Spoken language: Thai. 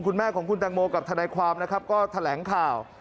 คุณแม่ของคุณตังโมกับทนายความนะครับก็แถลงข่าว